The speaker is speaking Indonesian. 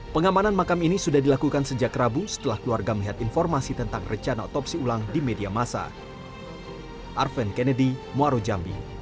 pengamanan makam ini sudah dilakukan sejak rabu setelah keluarga melihat informasi tentang rencana otopsi ulang di media masa